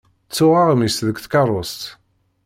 Ttuɣ aɣmis deg tkeṛṛust.